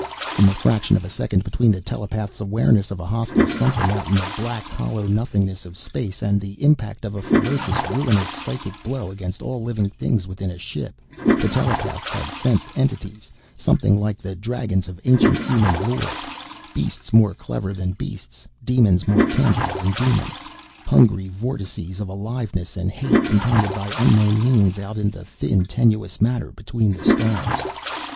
In the fraction of a second between the telepaths' awareness of a hostile something out in the black, hollow nothingness of space and the impact of a ferocious, ruinous psychic blow against all living things within the ship, the telepaths had sensed entities something like the Dragons of ancient human lore, beasts more clever than beasts, demons more tangible than demons, hungry vortices of aliveness and hate compounded by unknown means out of the thin tenuous matter between the stars.